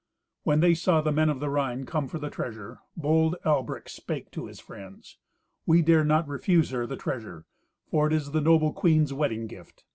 When they saw the men of the Rhine come for the treasure, bold Albric spake to his friends, "We dare not refuse her the treasure, for it is the noble queen's wedding gift.